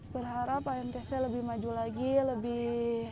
berharap imtc lebih maju lagi lebih